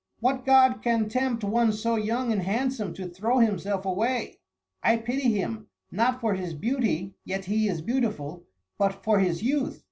"What god can tempt one so young and handsome to throw himself away? I pity him, not for his beauty (yet he is beautiful), but for his youth.